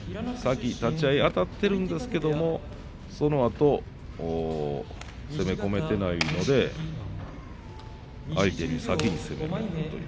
立ち合いあたっているんですけどそのあと攻め込めていないので相手に先に攻められるという。